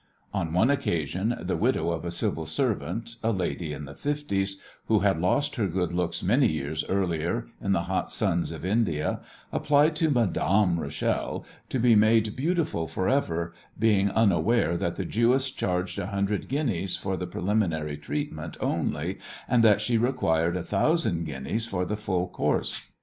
On one occasion the widow of a Civil Servant, a lady in the fifties, who had lost her good looks many years earlier in the hot suns of India, applied to Madame Rachel to be made beautiful for ever, being unaware that the Jewess charged a hundred guineas for the preliminary treatment only and that she required a thousand guineas for the full course.